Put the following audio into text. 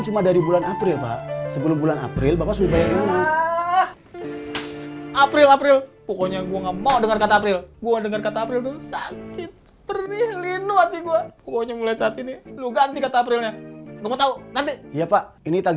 terima kasih banyak ya pak